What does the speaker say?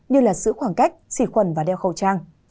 như là giữ khoảng cách xị khuẩn và đeo khẩu trang